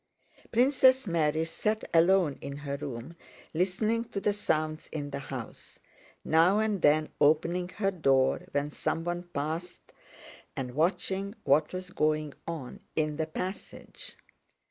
Princess Mary sat alone in her room listening to the sounds in the house, now and then opening her door when someone passed and watching what was going on in the passage.